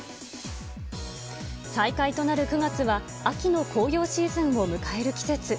再開となる９月は秋の紅葉シーズンを迎える季節。